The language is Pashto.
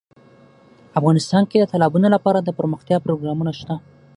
افغانستان کې د تالابونه لپاره دپرمختیا پروګرامونه شته.